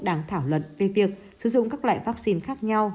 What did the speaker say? đang thảo luận về việc sử dụng các loại vaccine khác nhau